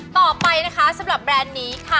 ต่อไปนะคะสำหรับแบรนด์นี้ค่ะ